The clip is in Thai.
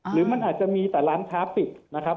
หรือมันอาจจะมีแต่ร้านค้าปิดนะครับ